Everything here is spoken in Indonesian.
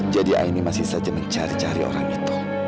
jadi aini masih saja mencari cari orang itu